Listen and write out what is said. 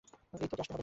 এই, তোকে আসতে হবে!